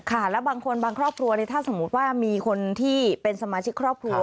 แล้วบางคนบางครอบครัวถ้าสมมุติว่ามีคนที่เป็นสมาชิกครอบครัว